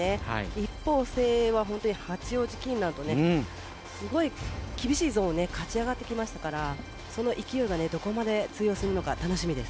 一方、誠英は八王子、金蘭とすごい厳しいゾーンを勝ち上がってきましたからその勢いがどこまで通用するのか楽しみです。